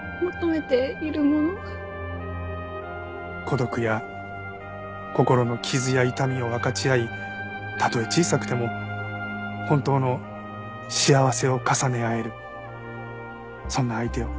孤独や心の傷や痛みを分かち合いたとえ小さくても本当の幸せを重ね合えるそんな相手を。